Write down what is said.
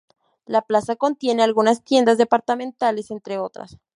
La Plaza Contiene algunas tiendas departamentales, entre otras.